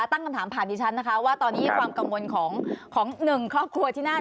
ตั้งคำถามผ่านดิฉันนะคะว่าตอนนี้ความกังวลของหนึ่งครอบครัวที่นั่น